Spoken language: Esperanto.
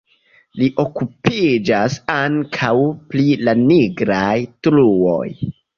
Li okupiĝas ankaŭ pri la nigraj truoj.